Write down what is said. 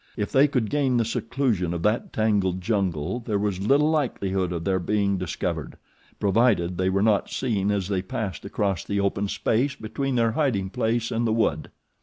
If they could gain the seclusion of that tangled jungle there was little likelihood of their being discovered, provided they were not seen as they passed across the open space between their hiding place and the wood.